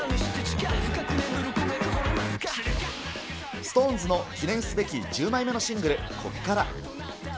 ＳｉｘＴＯＮＥＳの記念すべき１０枚目のシングル、こっから。